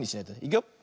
いくよ。